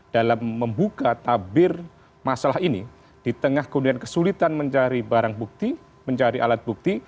dalam membuka tabir masalah ini di tengah kemudian kesulitan mencari barang bukti mencari alat bukti